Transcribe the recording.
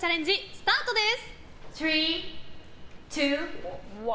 スタートです。